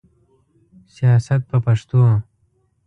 سیاست په پښتو.